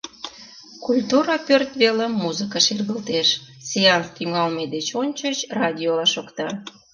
Культура пӧрт велым музыка шергылтеш, сеанс тӱҥалме деч ончыч радиола шокта.